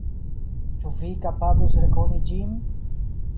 Ĉu Vi kapablus rekoni ĝin?